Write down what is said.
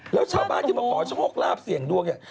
แล้วชาวบ้านที่มาขอโชคลาภเสี่ยงดวงเนี่ย